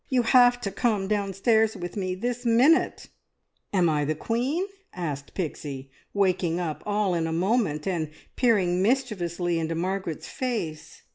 You have to come downstairs with me this minute!" "Am I the queen?" asked Pixie, waking up all in a moment, and peering mischievously into Margaret's face.